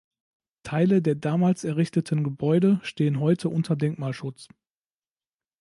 Teile der damals errichteten Gebäude stehen heute unter Denkmalschutz.